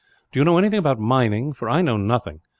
"Do you know anything about mining, for I know nothing?